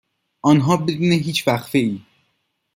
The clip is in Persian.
آنها بدون هیچ وقفهای